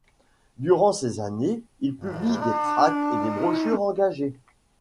Durant ces années, il publie des tracts et des brochures engagées.